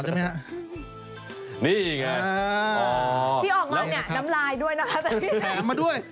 แถมมาด้วย